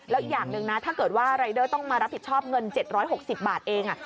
แล้วอย่างหนึ่งนะถ้าเกิดว่ารายเดอร์ต้องมารับผิดชอบเงิน๗๖๐บาทเอง